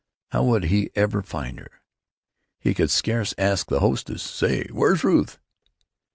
How would he ever find her? He could scarce ask the hostess, "Say, where's Ruth?"